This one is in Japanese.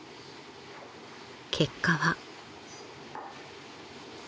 ［結果は］